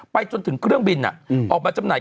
จนถึงเครื่องบินออกมาจำหน่าย